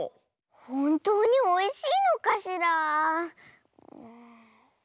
ほんとうにおいしいのかしら。